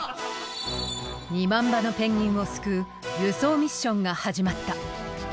２万羽のペンギンを救う輸送ミッションが始まった。